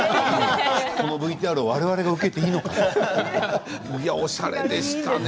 このＶＴＲ我々が受けてもいいのかとおしゃれでしたね